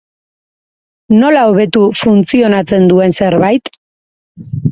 Nola hobetu funtzionatzen duen zerbait?